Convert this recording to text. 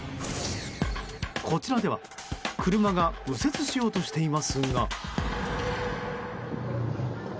こちらでは、車が右折しようとしていますが。